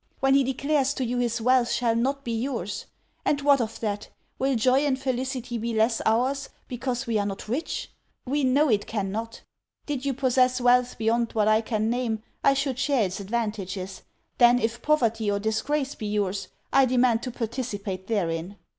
when he declares to you his wealth shall not be your's? And what of that! Will joy and felicity be less ours, because we are not rich? We know it cannot. Did you possess wealth beyond what I can name, I should share its advantages; then if poverty or disgrace be your's, I demand to participate therein.